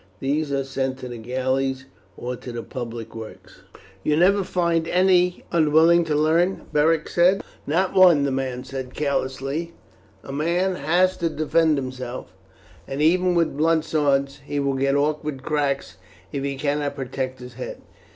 These are sent to the galleys, or to the public works." "You never find any unwilling to learn?" Beric said. "Not one," the man said carelessly. "A man has to defend himself, and even with blunt swords he will get awkward cracks if he cannot protect his head.